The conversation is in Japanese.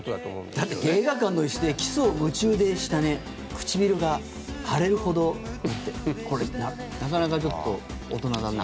だって「映画館の椅子でキスを夢中でしたねくちびるがはれるほど」ってこれ、中々ちょっと大人だな。